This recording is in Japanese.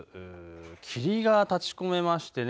霧が立ちこめましてね